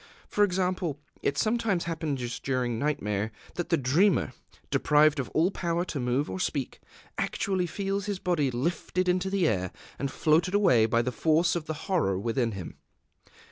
For example, it sometimes happens during nightmare that the dreamer, deprived of all power to move or speak, actually feels his body lifted into the air and floated away by the force of the horror within him.